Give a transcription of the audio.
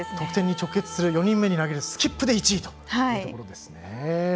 得点に直結する４人目で投げるスキップで１位ということですね。